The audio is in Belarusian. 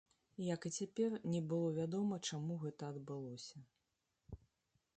Як і цяпер, не было вядома, чаму гэта адбылося.